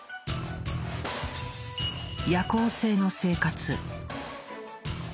夜行性の生活。